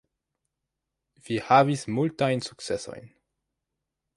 Vi havis multajn sukcesojn.